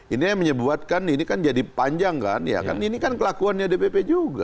ini yang menyebutkan ini kan jadi panjang kan ya kan ini kan kelakuannya dpp juga